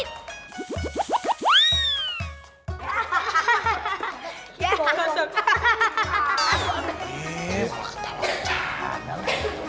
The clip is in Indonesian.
iya waktu bercanda lho